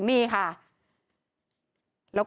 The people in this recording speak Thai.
นี่ค่ะ